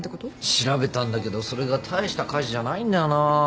調べたんだけどそれが大した火事じゃないんだよな。